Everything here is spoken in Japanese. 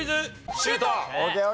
シュート！